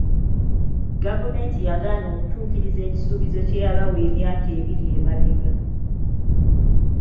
Gavumenti yagaana okutuukiriza ekisuubizo kye yabawa emyaka ebiri emabega.